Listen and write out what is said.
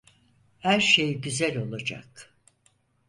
Her şey güzel olacak.